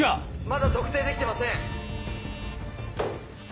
まだ特定できてません。